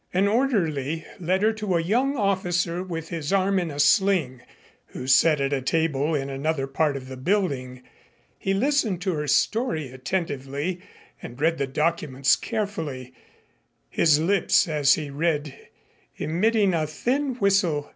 An orderly led her to a young officer with his arm in a sling who sat at a table in another part of the building. He listened to her story attentively and read the documents carefully, his lips as he read emitting a thin whistle.